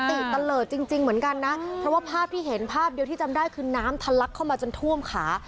ตะเลิศจริงเหมือนกันนะเพราะว่าภาพที่เห็นภาพเดียวที่จำได้คือน้ำทะลักเข้ามาจนท่วมขา